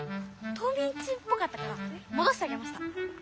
冬みん中っぽかったからもどしてあげました。